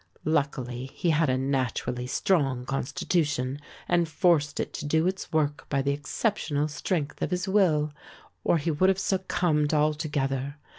Luckily he had a naturally strong constitution and forced it to do its work by the exceptional strength of his will or he would have succumbed altogether.